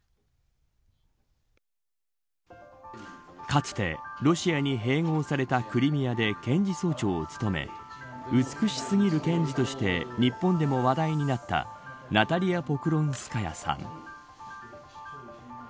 かつて、ロシアに併合されたクリミアで検事総長を務め美しすぎる検事として日本でも話題になったナタリア・ポクロンスカヤさん。